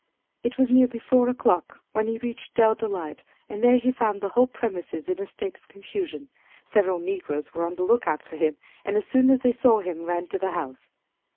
It was nearly four o'clock when he reached Dell Delight, and there he found the whole premises in a state of confusion. Several negroes were on the lookout for him; and as soon as they saw him ran to the house.